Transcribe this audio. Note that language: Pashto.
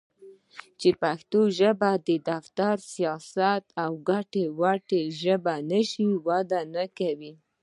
چې پښتو ژبه د دفتر٬ سياست او ګټې وټې ژبه نشي؛ وده نکوي.